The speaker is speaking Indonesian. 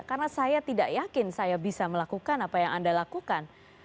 karena saya tidak yakin saya bisa melakukan apa yang anda lakukan